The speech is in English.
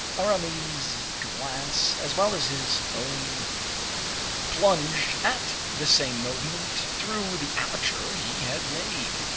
Aramis's glance as well as his own plunged at the same moment through the aperture he had made.